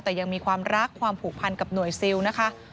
แต่ยังมีความรักความผูกพันกับหน่วยซิลนะคะ